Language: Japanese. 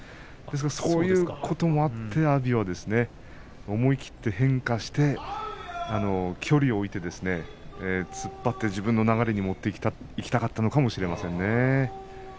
そういうこともあって阿炎は思い切って変化をして距離を置いて突っ張って自分の流れに持っていきたかったのかも分かりませんね。